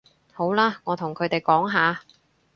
好啦，我同佢哋講吓